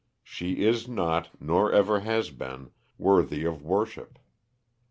She is not, nor ever has been, worthy of worship.